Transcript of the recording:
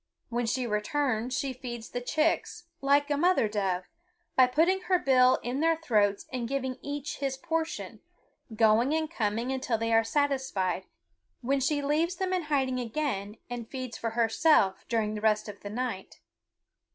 When she returns she feeds the chicks, like a mother dove, by putting her bill in their throats and giving each his portion, going and coming until they are satisfied, when she leaves them in hiding again and feeds for herself during the rest of the night.